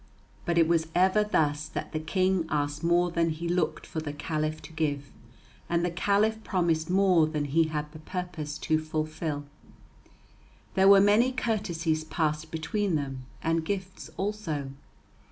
But it was ever thus that the King asked more than he looked for the Caliph to give; and the Caliph promised more than he had the purpose to fulfil. There were many courtesies passed between them, and gifts also.